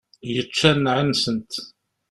Yečča nneεi-nsent.